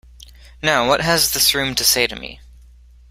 Now, what has this room to say to me?